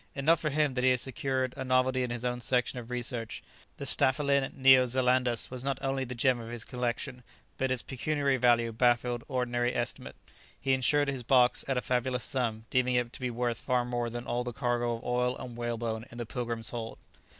Enough for him that he had secured a novelty in his own section of research; the "Staphylin Neo Zelandus" was not only the gem of his collection, but its pecuniary value baffled ordinary estimate; he insured his box at a fabulous sum, deeming it to be worth far more than all the cargo of oil and whalebone in the "Pilgrim's" hold.